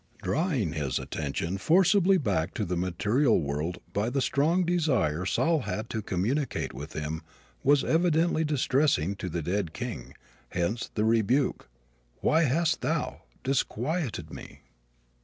Drawing his attention forcibly back to the material world by the strong desire Saul had to communicate with him was evidently distressing to the dead king, hence the rebuke, "Why hast thou disquieted me?"